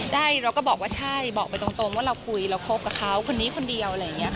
ได้เราก็บอกว่าใช่บอกไปตรงว่าเราคุยเราคบกับเขาคนนี้คนเดียว